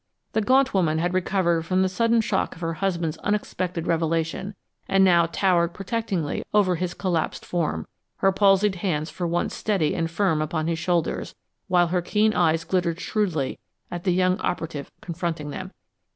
The gaunt woman had recovered from the sudden shock of her husband's unexpected revelation and now towered protectingly over his collapsed form, her palsied hands for once steady and firm upon his shoulders, while her keen eyes glittered shrewdly at the young operative confronting them.